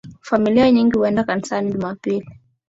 Familia nyingi huenda kanisani jumapili